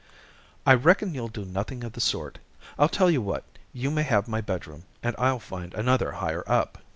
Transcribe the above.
"I reckon you'll do nothing of the sort. I'll tell you what: You may have my bedroom, and I'll find another higher up."